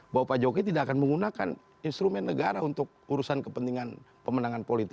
bahwa pak jokowi tidak akan menggunakan instrumen negara untuk urusan kepentingan pemenangan politik